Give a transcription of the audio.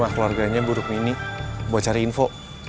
keluarganya buruk mini buat cari info